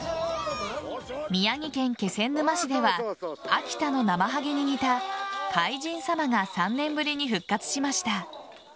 宮城県気仙沼市では秋田のなまはげに似た海神様が３年ぶりに復活しました。